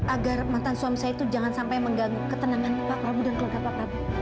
agar mantan suami saya itu jangan sampai mengganggu ketenangan pak prabowo dan keluarga pak prabowo